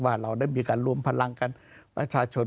เราได้มีการรวมพลังกันประชาชน